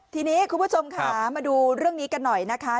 ทีนี้คุณผู้ชมค่ะมาดูเรื่องนี้กันหน่อยนะคะ